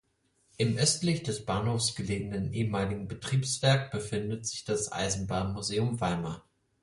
Im östlich des Bahnhofs gelegenen ehemaligen Bahnbetriebswerk befindet sich das Eisenbahnmuseum Weimar.